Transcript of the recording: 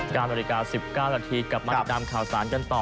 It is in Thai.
๙นาฬิกา๑๙นาทีกลับมาติดตามข่าวสารกันต่อ